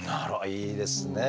いいですね。